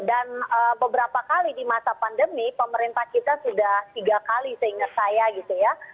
dan beberapa kali di masa pandemi pemerintah kita sudah tiga kali seingat saya gitu ya